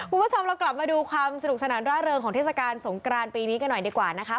คุณผู้ชมเรากลับมาดูความสนุกสนานร่าเริงของเทศกาลสงกรานปีนี้กันหน่อยดีกว่านะคะ